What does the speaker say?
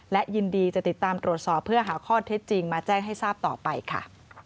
และยินดีจะติดตามตรวจสอบเพื่อหาข้อเท็จจริงมาแจ้งให้ทราบต่อไปค่ะ